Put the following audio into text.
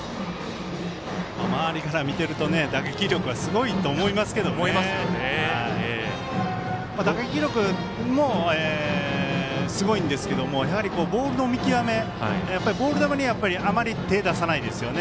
周りから見ていると打撃力はすごいと思いますけど打撃力も、すごいんですけどもボールの見極めボール球にあまり手を出さないですよね